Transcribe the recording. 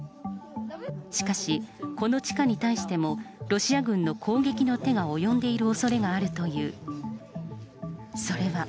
しかし、この地下に対しても、ロシア軍の攻撃の手が及んでいるおそれがあるという。